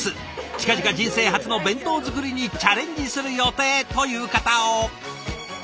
「近々人生初の弁当作りにチャレンジする予定」という方を！